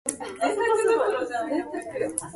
Approximately have been purchased and restored.